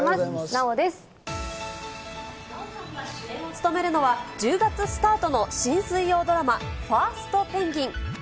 奈緒さんが主演を務めるのは、１０月スタートの新水曜ドラマ、ファーストペンギン。